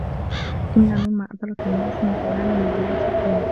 إنَّ مِمَّا أَدْرَكَ النَّاسَ مِنْ كَلَامِ النُّبُوَّةِ الْأُولَى